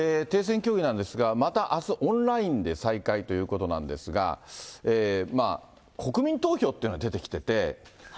停戦協議なんですが、またあす、オンラインで再開ということなんですが、国民投票っていうのが出てきてて。